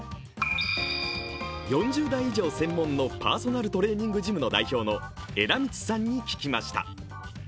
４０代以上専門のパーソナルトレーニングジム代表の枝光さんに聞きました。